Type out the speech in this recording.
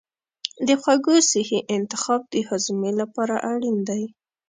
د خوړو صحي انتخاب د هاضمې لپاره اړین دی.